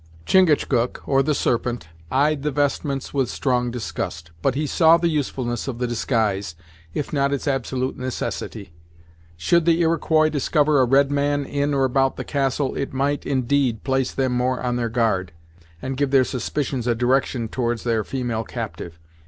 Chingachgook, or the Serpent, eyed the vestments with strong disgust; but he saw the usefulness of the disguise, if not its absolute necessity. Should the Iroquois discover a red man, in or about the Castle, it might, indeed, place them more on their guard, and give their suspicions a direction towards their female captive.